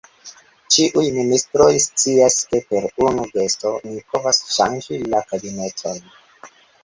Ĉiuj ministroj scias, ke per unu gesto mi povas ŝanĝi la kabineton.